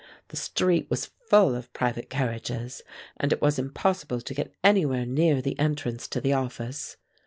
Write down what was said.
The street was full of private carriages, and it was impossible to get anywhere near the entrance to the office.